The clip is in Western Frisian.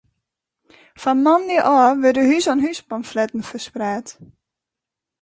Fan moandei ôf wurde hûs oan hûs pamfletten ferspraat.